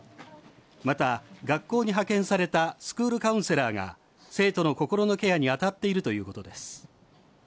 また、学校に派遣されたスクールカウンセラーが生徒の心のケアに当たっているということです。